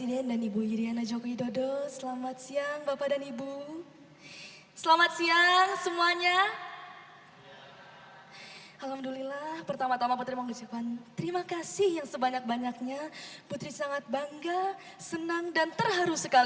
dan bening bening raqqi stains seumur hidup indonesia